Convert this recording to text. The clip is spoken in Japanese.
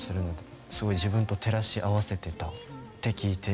すごい自分と照らし合わせてたって聞いていましたね。